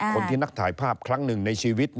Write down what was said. คนที่นักถ่ายภาพครั้งหนึ่งในชีวิต